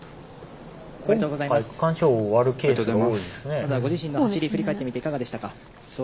まずはご自身の走り振り返ってみていかがでしたか。